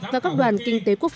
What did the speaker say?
và các đoàn kinh tế quốc pháp